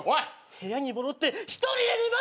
部屋に戻って一人で寝ます！